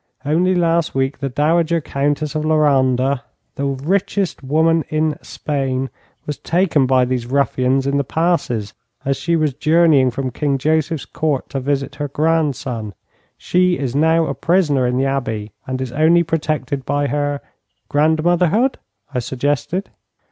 Only last week the Dowager Countess of La Ronda, the richest woman in Spain, was taken by these ruffians in the passes as she was journeying from King Joseph's Court to visit her grandson. She is now a prisoner in the Abbey, and is only protected by her ' 'Grandmotherhood,' I suggested.